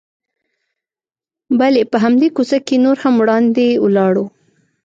بلې، په همدې کوڅه کې نور هم وړاندې ولاړو.